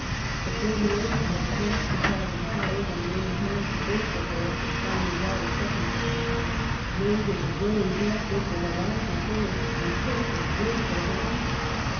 The Forty eighth and a scratch battalion followed, and were in time to break the force and finally rout a second French attack, made in the growing darkness with a larger force and pushed with great resolution.